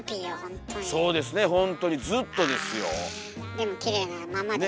でもきれいなままです。